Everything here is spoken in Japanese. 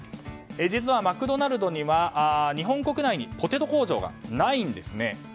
実はマクドナルドには日本国内にポテト工場がないんですね。